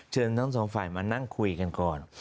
ทั้งสองฝ่ายมานั่งคุยกันก่อน